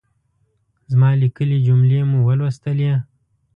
زما ليکلۍ جملې مو ولوستلې؟